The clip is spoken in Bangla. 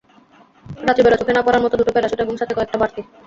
রাত্রিবেলা চোখে না পড়ার মতো দুটো প্যারাসুট এবং সাথে কয়েকটা বাড়তি।